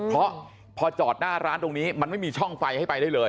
เพราะพอจอดหน้าร้านตรงนี้มันไม่มีช่องไฟให้ไปได้เลย